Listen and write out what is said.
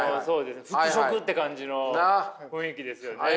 服飾って感じの雰囲気ですよね。